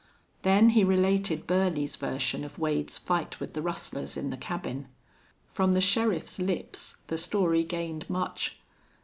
Then he related Burley's version of Wade's fight with the rustlers in the cabin. From the sheriff's lips the story gained much.